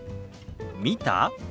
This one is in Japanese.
「見た？」。